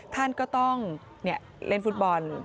ท่านก็ต้องเล่นฟุตบอล